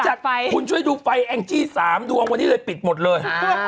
สาธิฟัยคุณช่วยดูไฟแองจี๓ดูอันนี้เลยปิดหมดเลย